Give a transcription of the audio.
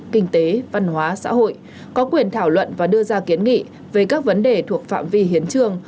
kinh tế văn hóa xã hội có quyền thảo luận và đưa ra kiến nghị về các vấn đề thuộc phạm vi hiến trường